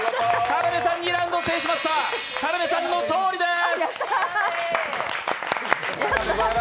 田辺さん２ラウンド制しました田辺さんの勝利です！